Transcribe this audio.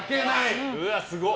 うわ、すごっ。